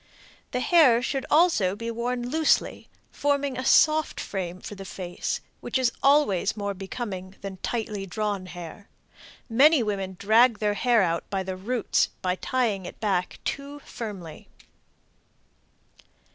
The hair should also be worn loosely, forming a soft frame for the face, which is always more becoming than tightly drawn hair. Many women drag their hair out by the roots by tying back too firmly.